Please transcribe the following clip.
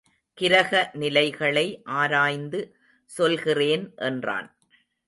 கிரக நிலைகளை ஆராய்ந்து சொல்கிறேன் என்றான்.